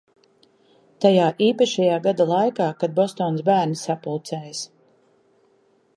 Tajā īpašajā gada laikā, kad Bostonas bērni sapulcējas.